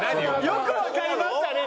「よくわかりましたね」